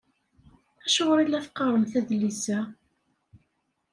Acuɣer i la teqqaremt adlis-a?